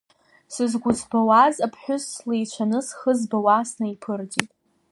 Сызқәыӡбауаз аԥҳәыс слеицәаны схы збауа снаиԥырҵит.